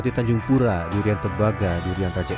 dan kebun buah di desa petumbukan kebun di resco